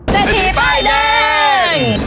เศรษฐีป้ายแดง